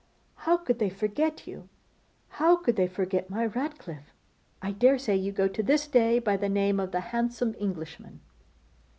How could they forget you; how could they forget my Ratcliffe? I daresay you go to this day by the name of the handsome Englishman.